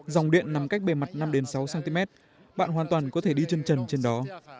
dòng điện nằm cách bề mặt năm sáu cm bạn hoàn toàn có thể đi chân trần trên đó